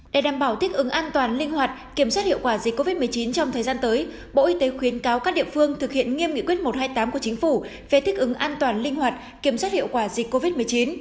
để đảm bảo thích ứng an toàn linh hoạt kiểm soát hiệu quả dịch covid một mươi chín trong thời gian tới bộ y tế khuyến cáo các địa phương thực hiện nghiêm nghị quyết một trăm hai mươi tám của chính phủ về thích ứng an toàn linh hoạt kiểm soát hiệu quả dịch covid một mươi chín